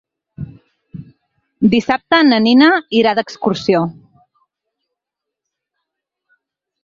Dissabte na Nina irà d'excursió.